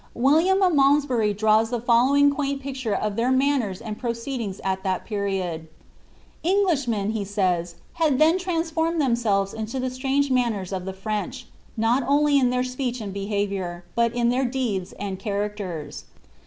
Wil liam of Malmsbury draws the following quaint picture of their manners and proceedings at this period. ^Englishmen," says he, ^^had then transformed themselves into the strange manners of the French, not only in their speech and behaviour, but in their deeds and characters.